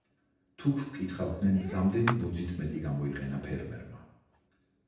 თუ გვკითხავდნენ რამდენი ბოძით მეტი გამოიყენა ფერმერმა.